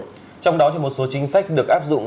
trong đó thì một số chính sách được áp dụng